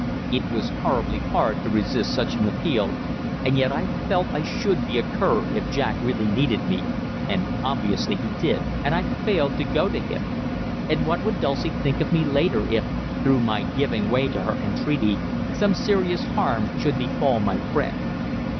It was horribly hard to resist such an appeal, and yet I felt I should be a cur if Jack really needed me and obviously he did and I failed to go to him. And what would Dulcie think of me later if, through my giving way to her entreaty, some serious harm should befall my friend?